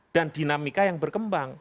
dan dinamika yang berkembang